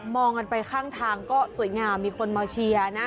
องกันไปข้างทางก็สวยงามมีคนมาเชียร์นะ